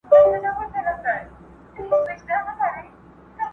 هغه چنار ته د مرغیو ځالګۍ نه راځي؛